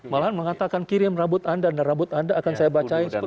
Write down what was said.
malahan mengatakan kirim rambut anda dan rambut anda akan saya bacain